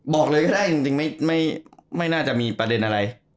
บอกเลยก็ได้จริงไม่น่าจะมีประเด็นอะไร